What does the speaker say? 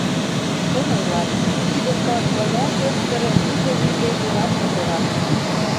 Чын ойлат: ӱдыр кап мыняр тӧрсыр, Юзо вийже тунар шукырак.